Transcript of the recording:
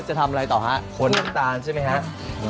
จะทำอะไรต่อฮะขนน้ำตาลใช่ไหมครับ